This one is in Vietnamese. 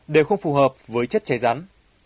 đều không phù hợp với chất cháy rắn